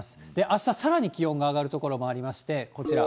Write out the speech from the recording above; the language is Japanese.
あした、さらに気温が上がる所もありまして、こちら。